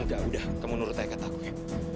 enggak udah kamu nurut aja kataku ya